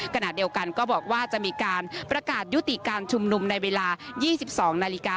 ขณะเดียวกันก็บอกว่าจะมีการประกาศยุติการชุมนุมในเวลา๒๒นาฬิกา